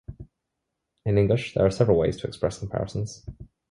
In English, there are several ways to express comparisons.